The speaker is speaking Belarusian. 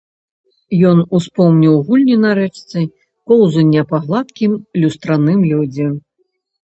Ён успомніў гульні на рэчцы, коўзанне па гладкім, люстраным лёдзе.